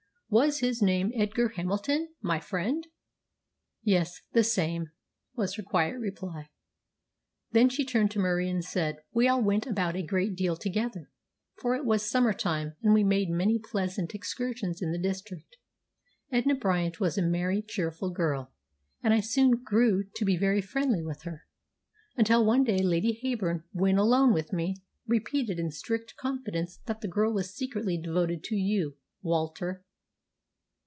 "Was his name Edgar Hamilton my friend?" "Yes, the same," was her quiet reply. Then she turned to Murie, and said, "We all went about a great deal together, for it was summer time, and we made many pleasant excursions in the district. Edna Bryant was a merry, cheerful girl, and I soon grew to be very friendly with her, until one day Lady Heyburn, when alone with me, repeated in strict confidence that the girl was secretly devoted to you, Walter."